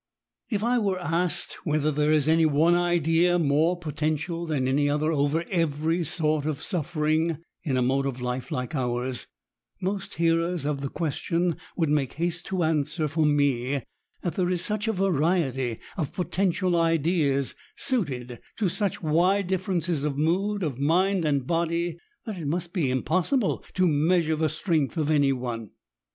If I were asked whether there is any one idea more potential than any other over every sort of suffering, in a mode of life like ours, most hearers of the question would make haste to answer for me that there is such a variety of potential ideas, suited to such wide differences of mood of mind and body, that it must be impossible to measure the strength of any one.